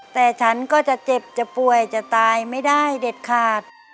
แต่ฉันก็จะเจ็บจะป่วยจะตายไม่ได้เด็ดขาด